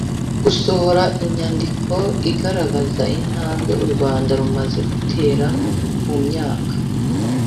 gusohora inyandiko igaragaza intambwe u rwanda rumaze gutera mu myaka